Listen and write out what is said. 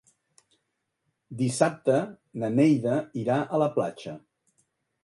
Dissabte na Neida irà a la platja.